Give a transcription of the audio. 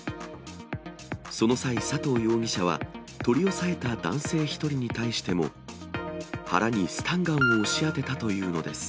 その際、佐藤容疑者は取り押さえた男性１人に対しても、腹にスタンガンを押し当てたというのです。